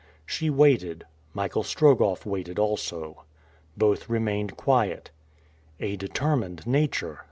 She waited Michael Strogoff waited also. Both remained quiet. "A determined nature!"